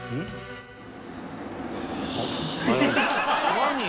「何？